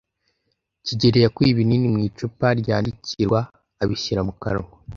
kigeli yakuye ibinini mu icupa ryandikirwa abishyira mu kanwa.